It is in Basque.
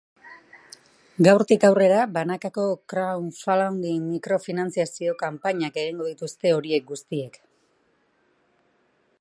Gaurtik aurrera, banakako crowdflunding mikro-finantziazio kanpainak egingo dituzte horiek guztiek.